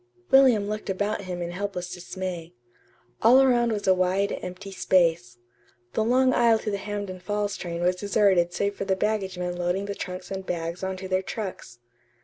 William looked about him in helpless dismay. All around was a wide, empty space. The long aisle to the Hampden Falls train was deserted save for the baggage men loading the trunks and bags on to their trucks.